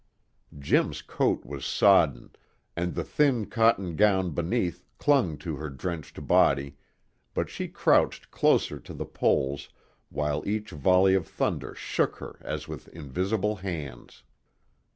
Jim's coat was sodden, and the thin cotton gown beneath clung to her drenched body, but she crouched closer to the poles while each volley of thunder shook her as with invisible hands.